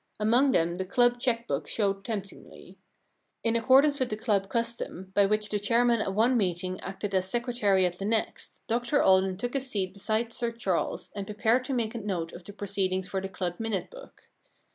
Among them the club cheque book showed temptingly. In accordance with the club custom by which the chairman at one meeting acted as secretary at the next, Dr Alden took his seat beside Sir Charles and prepared to make a note of the proceedings for the club minute book.